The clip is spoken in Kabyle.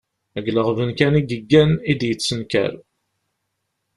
Deg leɣben kan i yeggan, i d-yettenkar.